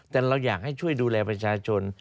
แต่เราอยากให้ช่วยดูแลประชาชน